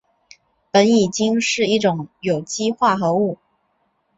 苯乙腈是一种有机化合物。